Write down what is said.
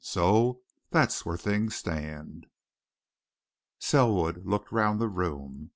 So that's where things stand." Selwood looked round the room.